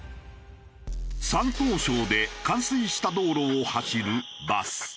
山東省で冠水した道路を走るバス。